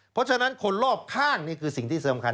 เพราะฉะนั้นคนรอบข้างนี่คือสิ่งที่สำคัญ